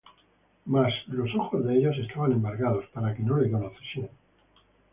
Mas los ojos de ellos estaban embargados, para que no le conociesen.